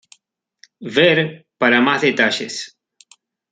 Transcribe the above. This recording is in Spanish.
Ver para más detalles.